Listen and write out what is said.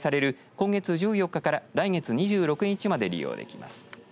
今月１４日から来月２６日まで利用できます。